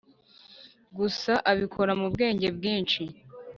Gusa abikora mu bwenge bwinshi